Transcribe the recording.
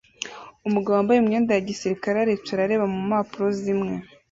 Umugabo wambaye imyenda ya gisirikare aricara areba mu mpapuro zimwe